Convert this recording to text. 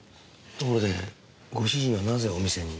ところでご主人はなぜお店に？